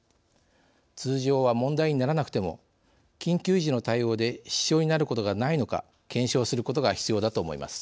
通常は問題にならなくても緊急時の対応で支障になることがないのか検証することが必要だと思います。